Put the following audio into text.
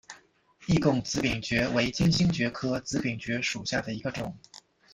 易贡紫柄蕨为金星蕨科紫柄蕨属下的一个种。